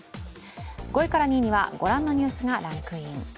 ５位から２位にはご覧のニュースがパンクイン。